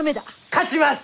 勝ちます！